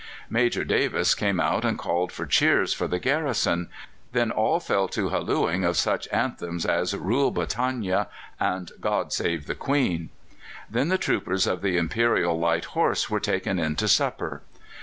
Major Davis came out and called for cheers for the garrison; then all fell to hallooing of such anthems as "Rule Britannia" and "God save the Queen." Then the troopers of the Imperial Light Horse were taken in to supper.